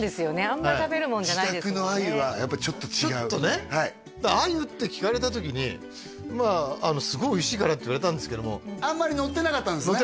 あんま食べるもんじゃない自宅の鮎はやっぱちょっと違うちょっとねだから「鮎」って聞かれた時に「すごいおいしいから」って言われたんですけどもあんまりのってなかったんですね